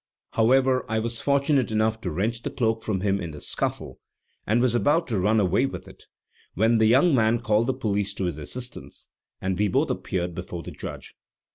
However, I was fortunate enough to wrench the cloak from him in the scuffle, and was about to run away with it, when the young man called the police to his assistance, and we both appeared before the judge.